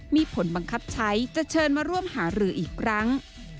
มีผลบังคับใช้จะเชิญมาร่วมหารืออีกครั้ง